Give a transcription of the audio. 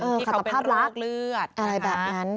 ขัดต่อภาพรักที่เขาเป็นโรคเลือดอะไรแบบนั้น